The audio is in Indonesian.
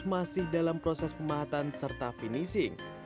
masih dalam proses pemahatan serta finishing